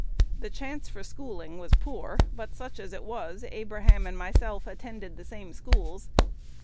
The chance for schooling was poor; but, such as it was, Abraham and myself attended the same schools.